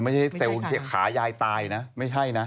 ไม่ใช่เซลล์ขายายตายนะไม่ใช่นะ